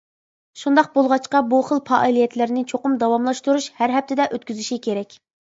شۇنداق بولغاچقا بۇ خىل پائالىيەتلەرنى چوقۇم داۋاملاشتۇرۇش، ھەر ھەپتىدە ئۆتكۈزۈشى كېرەك.